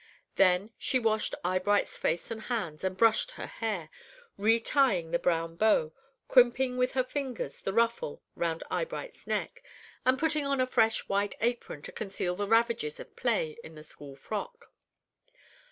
Then, she washed Eyebright's face and hands, and brushed her hair, retying the brown bow, crimping with her fingers the ruffle round Eyebright's neck, and putting on a fresh white apron to conceal the ravages of play in the school frock.